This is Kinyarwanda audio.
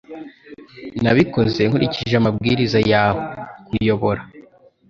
Nabikoze nkurikije amabwiriza yawe (_kuyobora)